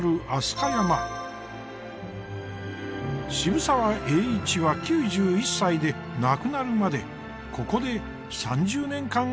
渋沢栄一は９１歳で亡くなるまでここで３０年間暮らしました。